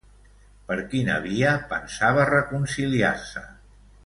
Per quina via pensava reconciliar-se?